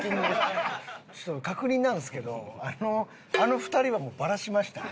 ちょっと確認なんですけどあの２人はもうバラしましたね？